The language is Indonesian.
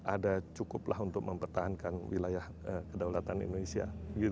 ada cukuplah untuk mempertahankan wilayah kedaulatan indonesia